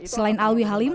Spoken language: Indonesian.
selain alwi halim